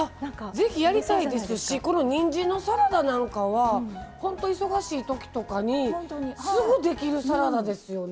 ぜひ、やりたいですしにんじんのサラダなんかは本当に忙しいときとかにすぐできるサラダですよね。